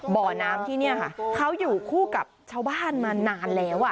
บ่อน้ำที่นี่ค่ะเขาอยู่คู่กับชาวบ้านมานานแล้ว